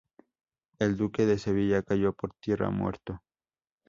El duque de Sevilla cayó por tierra, muerto.